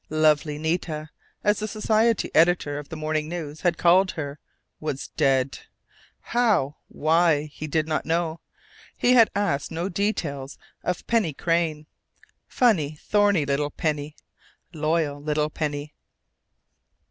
"Lovely Nita," as the society editor of The Morning News had called her, was dead! How, why, he did not know. He had asked no details of Penny Crain.... Funny, thorny little Penny! Loyal little Penny!